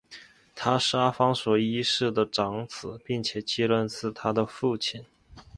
他是阿方索一世的长子并且继任自他的父亲。